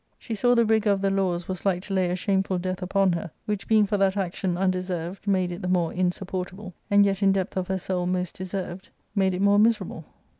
She saw the rigour of the laws was like to lay a shameful death upon her, which being for that action undeserved, made it the more insupportable, and yet in depth of her soul most deserved, made it more miserable.